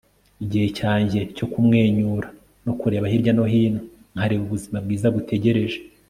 igihe cyanjye cyo kumwenyura no kureba hirya no hino nkareba ubuzima bwiza butegereje